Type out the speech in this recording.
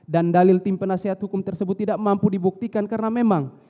dan dalil tim penasehat hukum tersebut tidak mampu dibuktikan karena memang